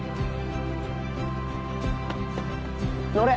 乗れ！